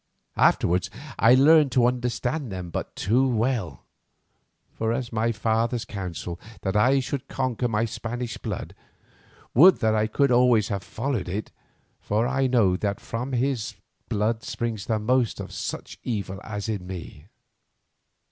Afterwards I learned to understand them but too well. As for my father's counsel, that I should conquer my Spanish blood, would that I could always have followed it, for I know that from this blood springs the most of such evil as is in me.